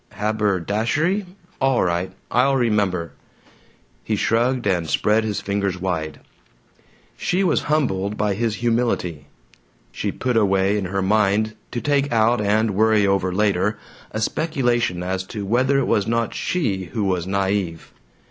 "Haberdashery? All right. I'll remember." He shrugged and spread his fingers wide. She was humbled by his humility; she put away in her mind, to take out and worry over later, a speculation as to whether it was not she who was naive.